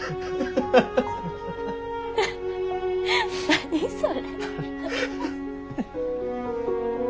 何それ。